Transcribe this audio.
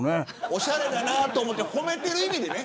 おしゃれだなと思って褒めている意味でね。